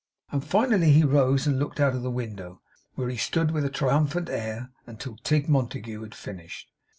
And finally he rose and looked out of the window, where he stood with a triumphant air until Tigg Montague had finished.